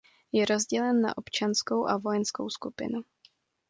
Je rozdělen na občanskou a vojenskou skupinu.